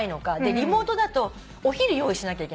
リモートだとお昼用意しなきゃいけないから。